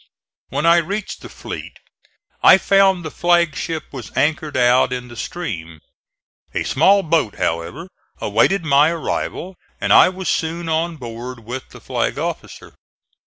When I reached the fleet I found the flag ship was anchored out in the stream. A small boat, however, awaited my arrival and I was soon on board with the flag officer.